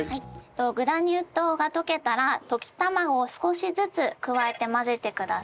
グラニュー糖が溶けたら溶き卵を少しずつ加えて混ぜてください。